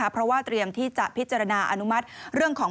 เพราะว่าเตรียมที่จะพิจารณาอนุมัติเรื่องของ